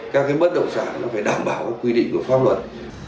các bất động sản phải đảm bảo quy định của pháp luật